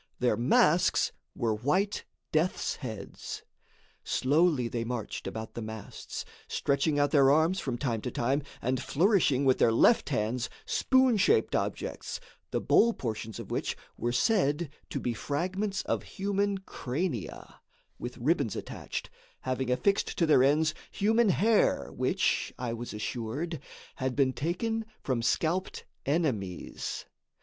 Their masks were white death's heads. Slowly they marched about the masts, stretching out their arms from time to time and flourishing with their left hands spoon shaped objects, the bowl portions of which were said to be fragments of human crania, with ribbons attached, having affixed to their ends human hair, which, I was assured, had been taken from scalped enemies.